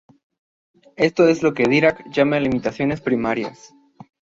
Esto es lo que Dirac llama "limitaciones primarias".